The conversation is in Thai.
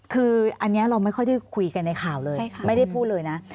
คืออันนี้เราไม่ค่อยได้คุยกันในข่าวเลยไม่ได้พูดเลยนะ